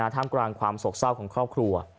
ท่ามกลางความโศกเศร้าของครอบครัว